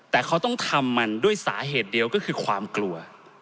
แต่เขาต้องทำมันด้วยสาเหตุเดียวก็คือความกลัว